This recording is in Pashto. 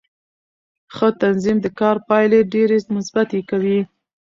ښه تنظیم د کار پایلې ډېرې مثبتې کوي